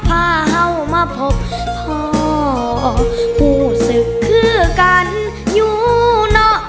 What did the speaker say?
พาเห่ามาพบพ่อผู้ศึกคือกันอยู่เนาะ